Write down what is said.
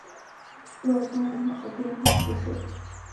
洛宗人口变化图示